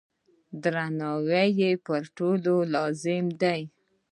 درناوی یې پر ټولو لازم دی.